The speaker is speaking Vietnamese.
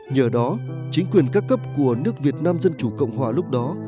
nhờ đó chính quyền các cấp của nước việt nam dân chủ cộng hòa lúc đó